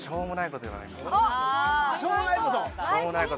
しょうもない事！